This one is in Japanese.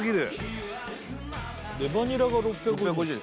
レバニラが６５０円